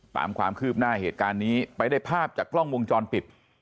ตามความคืบหน้าเหตุการณ์นี้ไปได้ภาพจากกล้องวงจรปิด